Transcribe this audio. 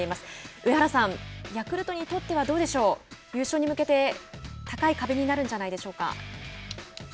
上原さん、ヤクルトにとってはどうでしょう優勝に向けて高い壁になるんじゃないでしょうか。